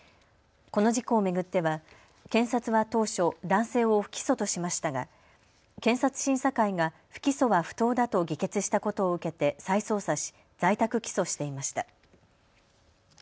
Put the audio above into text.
この事故を巡っては検察は当初、男性を不起訴としましたが検察審査会が不起訴は不当だと議決したことを受けて再捜査し在宅起訴していました。